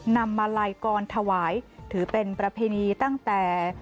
นำมาลัยกรถวายถือเป็นประเพณีตั้งแต่